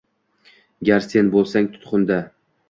Gar sen bo’lsang tutqunda